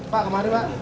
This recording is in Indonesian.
pak kemari pak